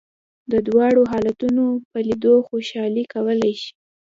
د دواړو حالتونو په لیدلو خوشالي کولای شې.